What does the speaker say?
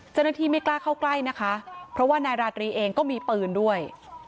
ไม่กล้าเข้าใกล้นะคะเพราะว่านายราตรีเองก็มีปืนด้วย